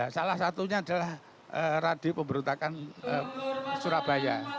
salah satunya adalah radio pemberontakan surabaya